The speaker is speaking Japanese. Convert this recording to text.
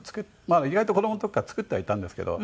意外と子供の時から作ってはいたんですけど。